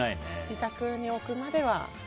自宅に置くまでは。